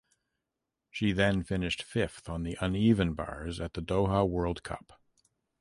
She then finished fifth on the uneven bars at the Doha World Cup.